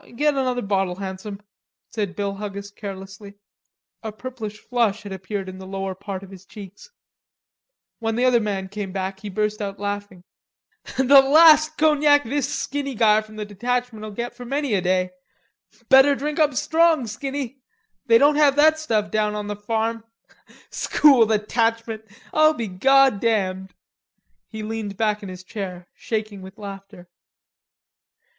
"Get another bottle, Handsome," said Bill Huggis carelessly. A purplish flush had appeared in the lower part of his cheeks. When the other man came back, he burst out laughing. "The last cognac this Skinny guy from the school detachment'll get for many a day. Better drink up strong, Skinny.... They don't have that stuff down on the farm.... School Detachment; I'll be goddamned!" He leaned back in his chair, shaking with laughter.